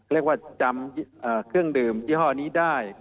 เรียกว่าจำเครื่องดื่มยี่ห้อนี้ได้